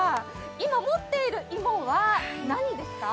今、持っている芋は何ですか？